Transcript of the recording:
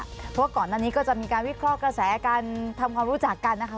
เพราะว่าก่อนอันนี้ก็จะมีการวิเคราะห์กระแสกันทำความรู้จักกันนะคะ